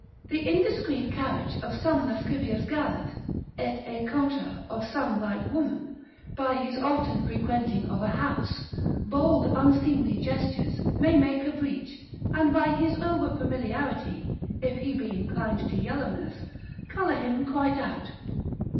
The indiscreet carriage of some lascivious gallant (et e contra of some light woman) by his often frequenting of a house, bold unseemly gestures, may make a breach, and by his over familiarity, if he be inclined to yellowness, colour him quite out.